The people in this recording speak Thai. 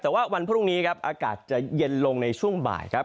แต่ว่าวันพรุ่งนี้ครับอากาศจะเย็นลงในช่วงบ่ายครับ